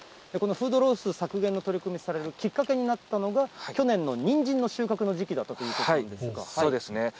このフードロス削減の取り組みをされるきっかけになったのが、去年のニンジンの収穫の時期だったということなんですが。